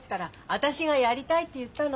私がやりたいって言ったの。